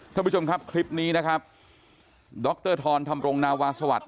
ท่านผู้ชมครับคลิปนี้นะครับดรธรธรรมรงนาวาสวัสดิ